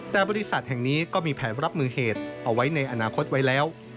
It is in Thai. แต่บริษัทแห่งนี้ก็มีแผนรับมือเหตุเอาไว้ในอนาคตไว้แล้ว